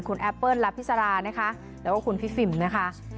คุณแอปเปิ้ลลาพิสารานะคะแล้วก็คุณพี่ฟิล์มนะคะ